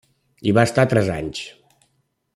Hi va estar tres anys.